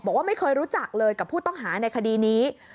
บอกว่าไม่เคยรู้จักเลยกับผู้ต้องหาในคดีนี้